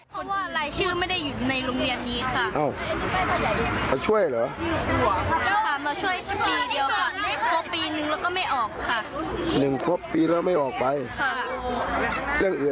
คำไม่สาวโกรธหนูหนับเป็นคนไปทีน้องใส่รถ